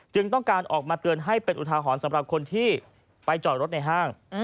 ต้องการออกมาเตือนให้เป็นอุทาหรณ์สำหรับคนที่ไปจอดรถในห้าง